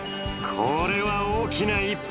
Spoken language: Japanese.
これは大きな１本。